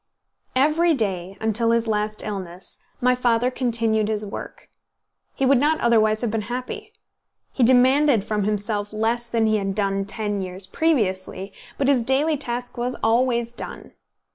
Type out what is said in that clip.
Every day, until his last illness, my father continued his work. He would not otherwise have been happy. He demanded from himself less than he had done ten years previously, but his daily task was always done.